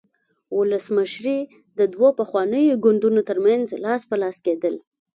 ولسمشري د دوو پخوانیو ګوندونو ترمنځ لاس په لاس کېدل.